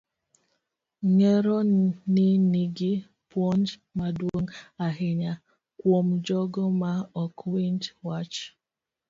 Ngero ni nigi puonj maduong' ahinya kuom jogo ma ok winj wach.